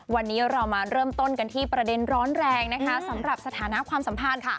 วันนี้เรามาเริ่มต้นกันที่ประเด็นร้อนแรงนะคะสำหรับสถานะความสัมพันธ์ค่ะ